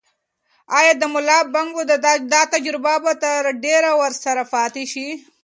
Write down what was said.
آیا د ملا بانګ دا تجربه به تر ډېره ورسره پاتې شي؟